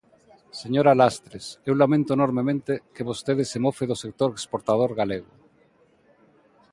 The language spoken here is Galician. Señora Lastres, eu lamento enormemente que vostede se mofe do sector exportador galego.